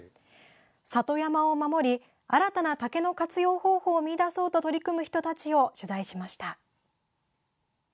里山を守り、新たな竹の活用方法を見いだそうと取り組む人たちを取材しました。